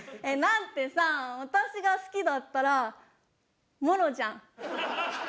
だってさ私が好きだったらもろじゃん。